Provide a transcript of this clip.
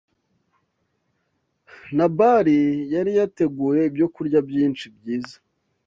Nabali yari yateguye ibyokurya byinshi byiza.